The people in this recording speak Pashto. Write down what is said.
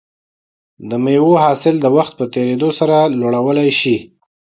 د مېوو حاصل د وخت په تېریدو سره لوړولی شي.